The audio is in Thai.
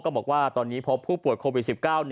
บอกว่าตอนนี้พบผู้ป่วยโควิด๑๙